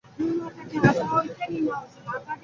একটি German bank কেমনভাবে যেন এই তালিকা পেয়ে যায়।